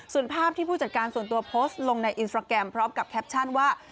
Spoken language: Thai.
ส่วนภาพที่ผู้จัดการส่วนตัวโพสต์ลงในอินสตราแกรมพร้อมกับแคปชั่นว่า